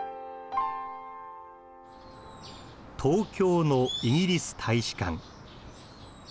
東京のイギリス大使館。